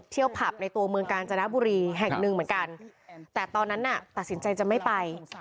ผับในตัวเมืองกาญจนบุรีแห่งหนึ่งเหมือนกันแต่ตอนนั้นน่ะตัดสินใจจะไม่ไป